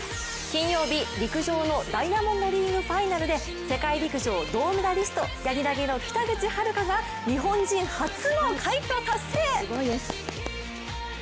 金曜日、陸上のダイヤモンドリーグファイナルで世界陸上銅メダリストやり投げの北口榛花が日本人初の快挙達成！